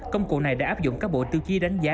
công cụ này đã áp dụng các bộ tiêu chí đánh giá